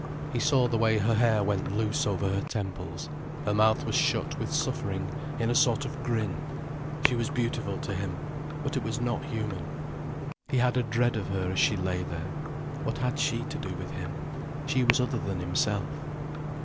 He saw the way her hair went loose over her temples, her mouth was shut with suffering in a sort of grin. She was beautiful to him—but it was not human. He had a dread of her as she lay there. What had she to do with him? She was other than himself.